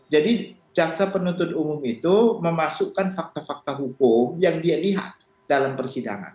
jadi jaksa penuntut umum itu memasukkan fakta fakta hukum yang dia lihat dalam persidangan